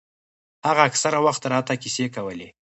هغه اکثره وخت راته کيسې کولې.